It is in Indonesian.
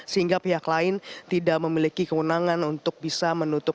sehingga pihak lain tidak memiliki kewenangan untuk bisa menutup